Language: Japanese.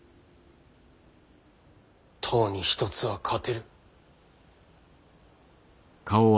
十に一つは勝てる。